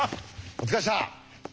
お疲れした！